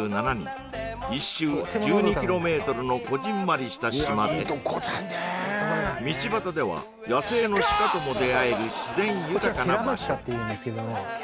こぢんまりした島で道端では野生のシカとも出会える自然豊かな場所